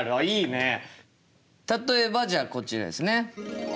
例えばじゃあこちらですね。